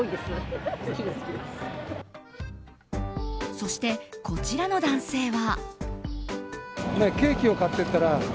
そして、こちらの男性は。